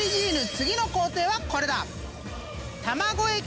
次の工程はこれだ！］